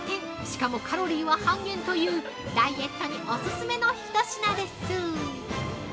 しかもカロリーは半減というダイエットにお勧めの一品です。